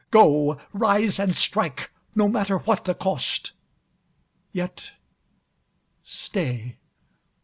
Go; rise and strike, no matter what the cost. Yet stay.